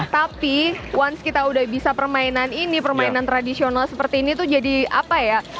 tapi once kita udah bisa permainan ini permainan tradisional seperti ini tuh jadi apa ya